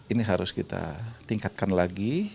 ini harus kita tingkatkan lagi